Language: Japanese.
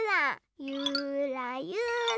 ゆらゆら。